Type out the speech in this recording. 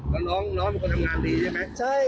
แล้วน้องน้องเป็นคนทำงานดีใช่มั้ย